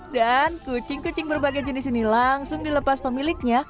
dan kucing kucing berbagai jenis ini langsung dilepas pemiliknya